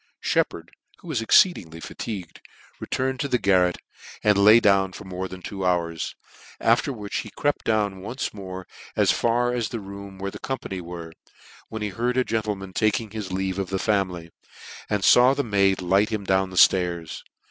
Sheppard, who was exceedingly fatigued, re turned to the garret, and laid down for more than two hours : after which he crept down once more as far as the room where the company were, when he heard a gentleman taking his leave of the family, and law the maid light him down (lairs.